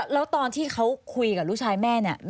แล้วตอนที่เขาคุยกับลูกชายแม่เนี่ย